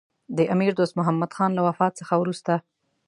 د امیر دوست محمدخان له وفات څخه وروسته.